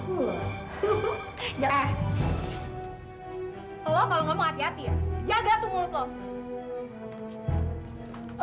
kalau lo mau ngomong hati hati ya jaga tuh mulut lo